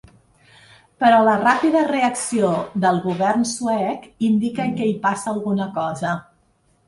Però la ràpida reacció del govern suec indica que hi passa alguna cosa.